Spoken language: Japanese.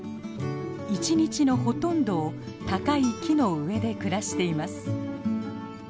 一日のほとんどを高い木の上で暮らしています。